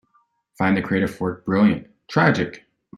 Find the creative work Brilliant! Tragic!